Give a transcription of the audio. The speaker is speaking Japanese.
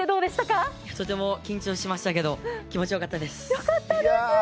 とても緊張しましたけど気持ちよかったです。